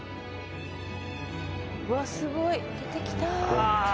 すごい。出てきた。